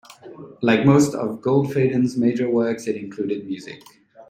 Like most of Goldfaden's major works, it included music.